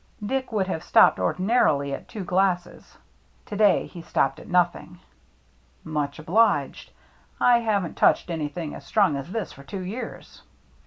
Dick would have stopped ordinarily at two glasses. To day he stopped at nothing. " Much obliged. I haven't touched anything as strong as this for two years."